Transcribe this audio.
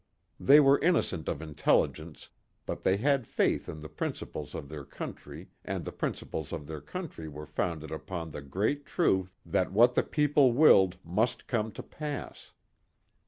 They were innocent of intelligence but they had faith in the principles of their country and the principles of their country were founded upon the great truth that what the people willed must come to pass.